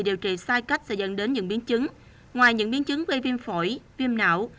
điều trị sai cách sẽ dẫn đến những biến chứng ngoài những biến chứng gây viêm phổi viêm não